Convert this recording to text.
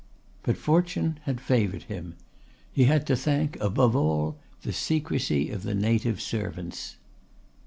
But fortune had favoured him. He had to thank, above all, the secrecy of the native servants.